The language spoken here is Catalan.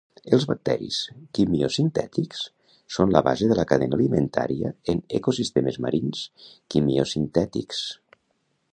Els bacteris quimiosintètics són la base de la cadena alimentària en ecosistemes marins quimiosintètics